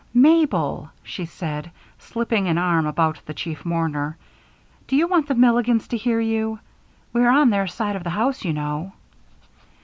"Mabel!" she said, slipping an arm about the chief mourner, "do you want the Milligans to hear you? We're on their side of the house, you know."